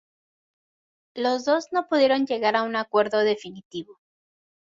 Los dos no pudieron llegar a un acuerdo definitivo.